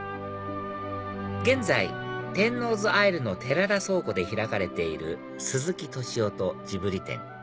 現在天王洲アイルの寺田倉庫で開かれている「鈴木敏夫とジブリ展」